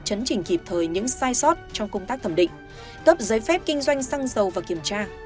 chấn chỉnh kịp thời những sai sót trong công tác thẩm định cấp giấy phép kinh doanh xăng dầu và kiểm tra